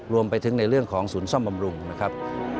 รวมไปถึงในเรื่องของศูนย์ซ่อมบำรุงนะครับ